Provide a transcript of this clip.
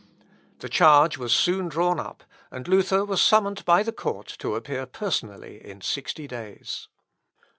The charge was soon drawn up, and Luther was summoned by the court to appear personally in sixty days.